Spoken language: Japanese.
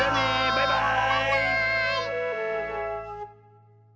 バイバーイ！